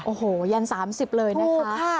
โอ้โหยัน๓๐เลยนะคะถูกค่ะ